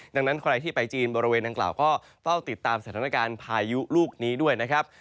ดังนั้นใครที่ไปจีนบริเวณดังกล่าวก็เฝ้าติดตามสถานการณ์พายุลูกนี้ด้วยนะครับ